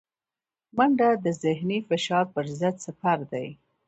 منډه د ذهني فشار پر ضد سپر دی